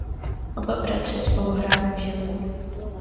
Oba bratři spolu hráli v Žilině.